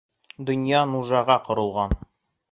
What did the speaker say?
Донъя нужаға ҡоролған.